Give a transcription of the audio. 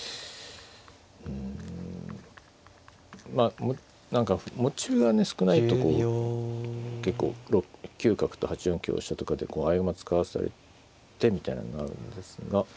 うんまあ何か持ち歩がね少ないとこう結構６九角と８四香車とかで合駒使わされてみたいなのあるんですが。